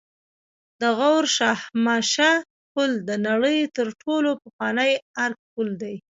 د غور شاهمشه پل د نړۍ تر ټولو پخوانی آرک پل دی